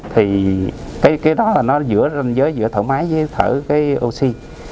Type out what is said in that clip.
thì cái đó là nó giữa ranh giới giữa thở máy với thở cái oxy